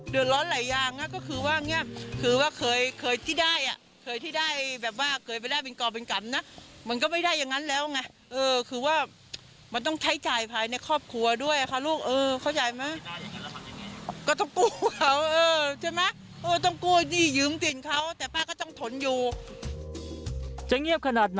จะเงียบขนาดไหน